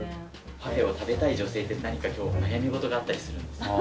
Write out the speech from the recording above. パフェを食べたい女性って、何か悩み事があったりするんです。